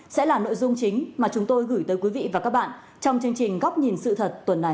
sẽ là nội dung chính mà chúng tôi gửi tới quý vị và các bạn trong chương trình góc nhìn sự thật tuần này